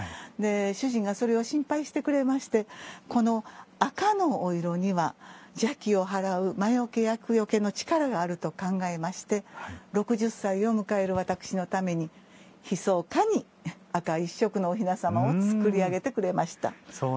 主人がそれを心配してくれましてこの赤のお色には邪気を払う魔よけ、厄よけの力があると考えまして６０歳を迎える私のためにひそかに赤一色のお雛様を作り上げてきました。